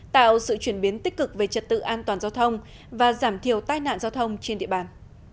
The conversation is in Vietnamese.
tạo sự chuyển biến tích cực về trật tự an toàn giao thông và giảm thiểu tai nạn giao thông trên địa bàn